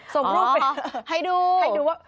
ส่งรูปไปให้ดูให้ดูว่า